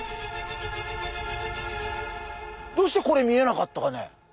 どうしてこれ見えなかったかね？